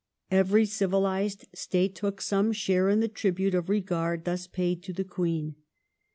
Every civilized state took some share in the tribute of regard thus paid to Queen Victoria.